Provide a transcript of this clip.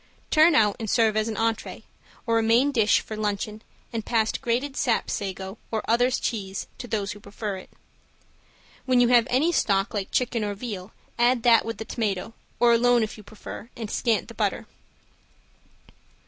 Turn out and serve as an entree, or a main dish for luncheon and pass grated sap sago or other cheese to those who prefer it. When you have any stock like chicken or veal, add that with the tomato or alone if you prefer and scant the butter.